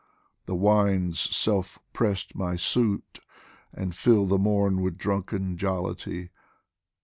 the wine's self pressed my suit, And filled the morn with drunken jollity